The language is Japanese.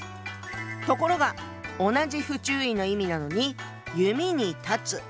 ところが同じ不注意の意味なのに「弓」に「断つ」。